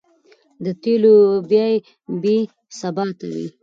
د تېلو بیې بې ثباته وې؛